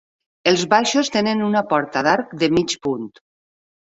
Els baixos tenen una porta d'arc de mig punt.